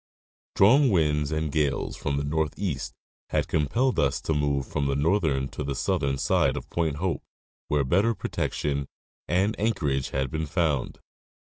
Strong winds and gales from the northeast had compelled us to move from the northern to the southern side of Point Hope, where better protection and anchorage had been found.